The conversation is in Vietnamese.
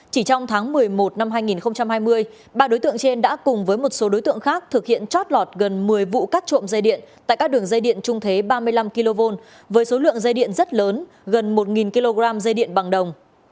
chỉ trong tháng một mươi một năm hai nghìn hai mươi ba đối tượng trên đã cùng với một số đối tượng khác thực hiện chót lọt gần một mươi vụ cắt trộm dây điện tại các đường dây điện trung thế ba mươi năm kv với số lượng dây điện rất lớn gần một kg dây điện bằng đồng